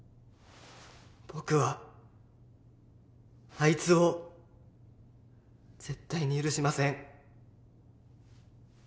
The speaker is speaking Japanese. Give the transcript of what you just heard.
僕はあいつを絶対に許しません。